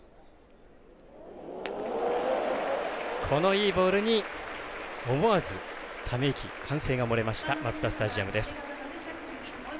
いいボールに思わずため息、歓声が漏れましたマツダスタジアムです。